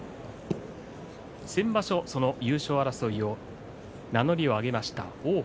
先場所、その優勝争いの名乗りを上げた王鵬。